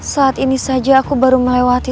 saat ini saja aku baru melewati